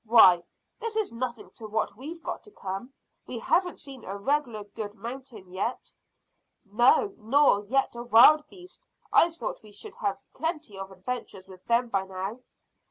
Why, this is nothing to what we've got to come. We haven't seen a regular good mountain yet." "No, nor yet a wild beast. I thought we should have had plenty of adventures with them by now."